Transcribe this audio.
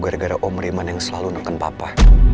gara gara om rehman yang selalu nengken papa